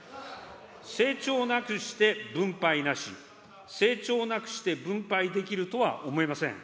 成長なくして分配なし、成長なくして分配できるとは思えません。